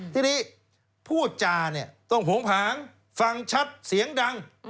ทีนี้พูดจาเนี่ยต้องโผงผางฟังชัดเสียงดัง